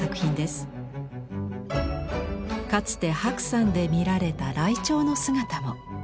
かつて白山で見られたライチョウの姿も。